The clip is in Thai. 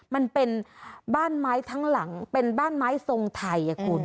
มันเป็นบ้านไม้ทั้งหลังเป็นบ้านไม้ทรงไทยคุณ